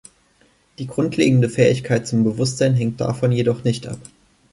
Die grundlegende Fähigkeit zum Bewusstsein hängt davon jedoch nicht ab.